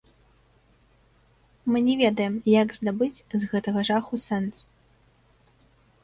Мы не ведаем, як здабыць з гэтага жаху сэнс.